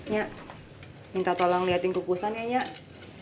ya minta tolong liatin kukusan ya nyak